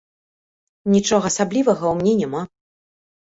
Нічога асаблівага ў мне няма.